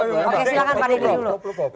oke silahkan pak deddy dulu